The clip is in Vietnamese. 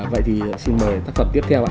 vậy thì xin mời tác phẩm tiếp theo